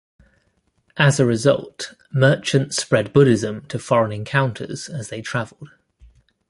As a result, Merchants spread Buddhism to foreign encounters as they traveled.